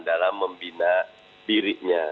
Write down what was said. dalam membina dirinya